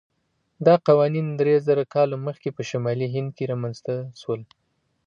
دا قوانین درېزره کاله مخکې په شمالي هند کې رامنځته شول.